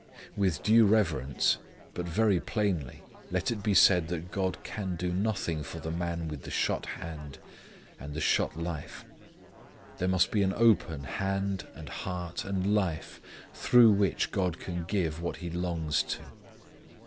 With due reverence, but very plainly, let it be said that God can do nothing for the man with shut hand and shut life. There must be an open hand and heart and life through which God can give what He longs to.